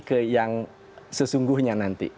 ke yang sesungguhnya nanti